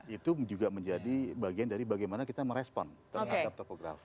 itu juga menjadi bagian dari bagaimana kita merespon terhadap topografi